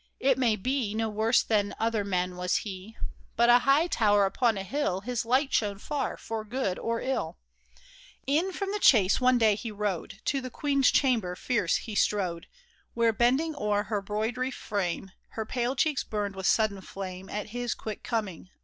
It may be No worse than other men was he ; But — a high tower upon a hill^ — His light shone far for good or ill ! In from the chase one day he rode ; To the queen's chamber fierce he strode ; Where bending o'er her 'broidery frame, Her pale cheeks burned with sudden flame At his quick coming.